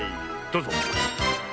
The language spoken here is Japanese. どうぞ。